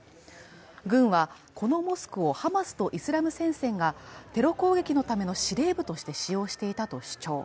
軍は、このモスクをハマスとイスラム戦線がテロ攻撃のための司令部として使用していたと主張。